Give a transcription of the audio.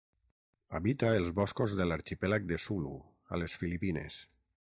Habita els boscos de l'arxipèlag de Sulu, a les Filipines.